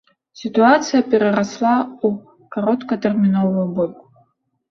Сітуацыя перарасла ў кароткатэрміновую бойку.